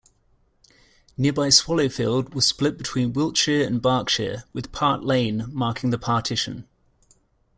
Nearby Swallowfield was split between Wiltshire and Berkshire, with "Part Lane" marking the partition.